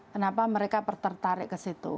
kenapa mereka tertarik ke situ